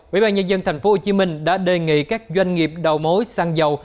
bộ y tế tp hcm đã đề nghị các doanh nghiệp đầu mối xăng dầu